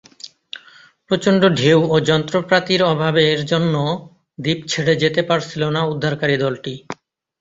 প্রচণ্ড ঢেউ ও যন্ত্রপাতির অভাবের জন্য দ্বীপ ছেড়ে যেতে পারছিল না উদ্ধারকারী দলটি।